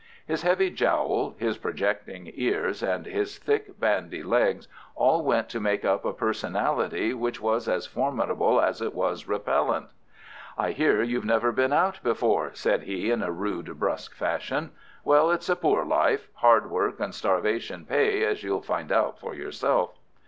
His heavy jowl, his projecting ears, and his thick bandy legs all went to make up a personality which was as formidable as it was repellent. "I hear you've never been out before," said he, in a rude, brusque fashion. "Well, it's a poor life: hard work and starvation pay, as you'll find out for yourself."